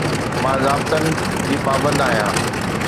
مان ضابطن جي پابند آهيان